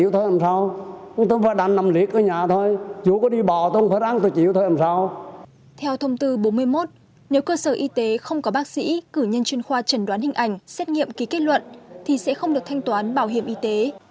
theo thông tư bốn mươi một nếu cơ sở y tế không có bác sĩ cử nhân chuyên khoa trần đoán hình ảnh xét nghiệm ký kết luận thì sẽ không được thanh toán bảo hiểm y tế